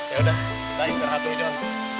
yaudah kita istirahat dulu jon